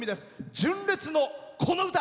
純烈の、この歌。